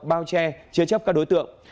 bao che chế chấp các đối tượng